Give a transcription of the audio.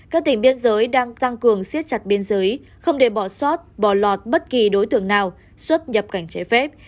các tỉnh biên giới đang tăng cường siết chặt biên giới không để bỏ sót bỏ lọt bất kỳ đối tượng nào xuất nhập cảnh trái phép